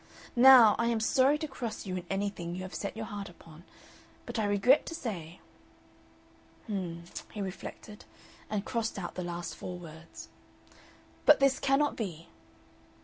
Now I am sorry to cross you in anything you have set your heart upon, but I regret to say " "H'm," he reflected, and crossed out the last four words. " but this cannot be."